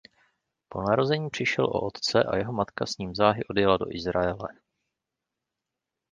Po narození přišel o otce a jeho matka s ním záhy odjela do Izraele.